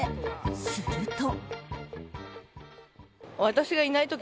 すると。